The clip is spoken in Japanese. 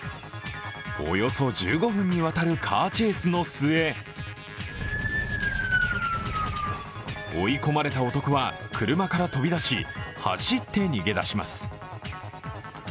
およそ１５分にわたるカーチェイスの末追い込まれた男は車から飛び出し走って逃げ出します。